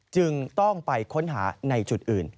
จึงต้องไปค้นหาในจุดอื่น